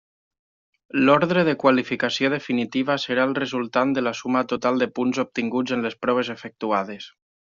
L'ordre de qualificació definitiva serà el resultant de la suma total de punts obtinguts en les proves efectuades.